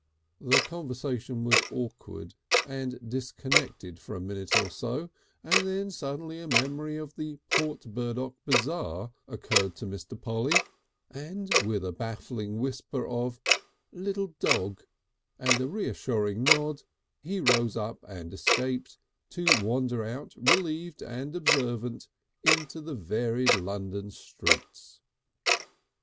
The conversation was awkward and disconnected for a minute or so, and then suddenly a memory of the Port Burdock Bazaar occurred to Mr. Polly, and with a baffling whisper of "Lill' dog," and a reassuring nod, he rose up and escaped, to wander out relieved and observant into the varied London streets.